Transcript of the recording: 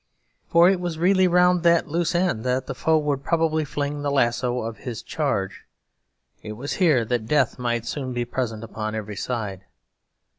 For it was really round that loose end that the foe would probably fling the lasso of his charge; it was here that death might soon be present upon every side.